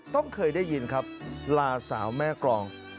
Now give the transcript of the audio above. ต้องเคยได้ยินครับลาสาวแม่กรอง